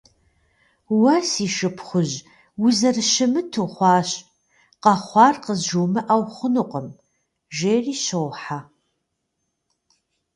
Уэ си шыпхъужь, узэрыщымыт ухъуащ: къэхъуар къызжумыӏэу хъунукъым, - жери щохьэ.